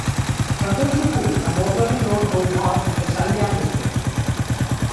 From Tulsipur a motorable road goes north into Salyan District.